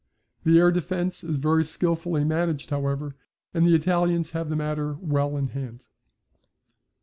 The air defence is very skilfully managed however, and the Italians have the matter well in hand.